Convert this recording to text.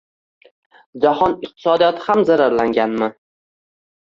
Jahon iqtisodiyoti ham zararlanganmi?